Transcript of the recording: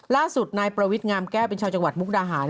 ล่าสุดนายประวิทงามแก้วเป็นชาวจังหวัดมุกดาหาร